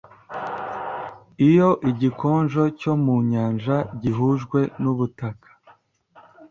iyo igikonjo cyo mu nyanja gihujwe nubutaka